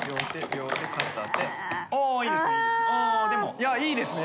いやいいですね。